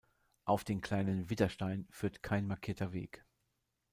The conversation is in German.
Auf den Kleinen Widderstein führt kein markierter Weg.